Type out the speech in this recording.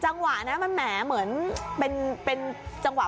จังหวะแหมเป็นจังหวะโปเช่มาก